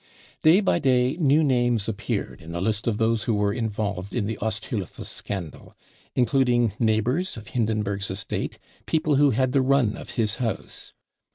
Day by day new names appeared in the list of thos$ who were involved in the Osthilfe scandal, including neigh hours of Hindenburg's estate, people who had the run of his house.